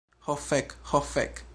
Ho fek. Ho fek.